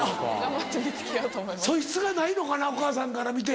素質がないのかなお母さんから見て。